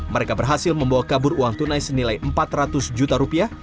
mereka berhasil membawa kabur uang tunai senilai empat ratus juta rupiah